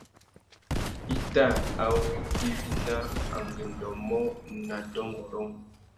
I tà awéngüéwina angüêndô mô nà dôngôrông.